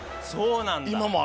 そうなんだ。